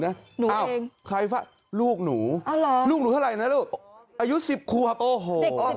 หนูเองอ้าวใครฟาดลูกหนูลูกหนูเท่าไรนะลูกอายุสิบควบโอ้โห